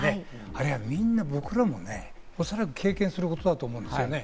あれ、みんな僕らもね、おそらく経験することだと思うんですね。